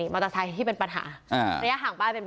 เลิกเลิกเลิกเลิกเลิกเลิกเลิกเลิก